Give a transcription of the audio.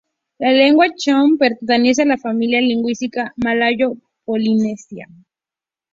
La lengua cham pertenece a la familia lingüística malayo-polinesia.